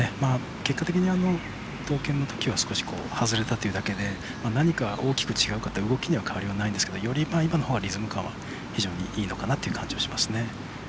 結果的に東建のときは少し外れたというだけで何か大きく違うかというと動きに変わりはないんですがより今のほうがリズム感は非常にいいのかなという感じがしますね。